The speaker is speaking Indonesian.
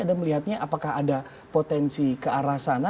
anda melihatnya apakah ada potensi ke arah sana